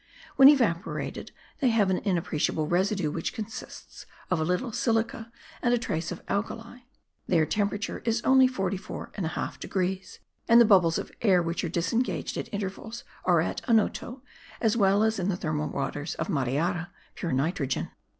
When evaporated they have an inappreciable residue which consists of a little silica and a trace of alkali; their temperature is only 44.5 degrees, and the bubbles of air which are disengaged at intervals are at Onoto, as well as in the thermal waters of Mariara, pure nitrogen.